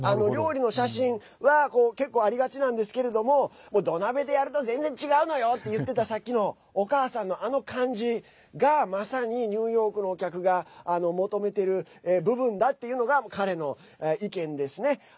料理の写真は結構ありがちなんですけれども土鍋でやると全然違うのよ！って言ってたさっきのお母さんのあの感じがまさにニューヨークのお客が求めてる部分だというのが彼の意見ですね。